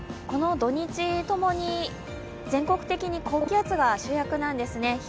この土日ともに全国的に高気圧が主役なんですね。